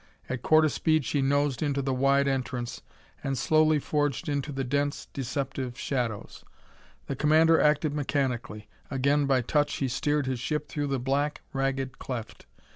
At quarter speed she nosed into the wide entrance, and slowly forged into the dense, deceptive shadows. The commander acted mechanically. Again by touch he steered his ship through the black, ragged cleft.